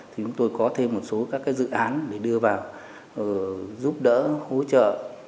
thì chúng tôi có thêm một số các dự án để đưa vào giúp đỡ hỗ trợ